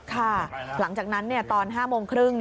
หลังจากนั้นตอน๕โมงครึ่ง